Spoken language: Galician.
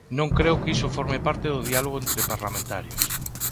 Non creo que iso forme parte do diálogo entre parlamentarios.